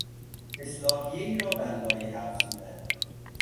اصلاحیهای را بر لایحه افزودن